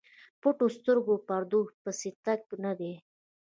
پټو سترګو پردیو پسې تګ نه دی.